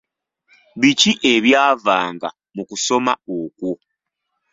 Biki ebyavanga mu kusomesa okwo?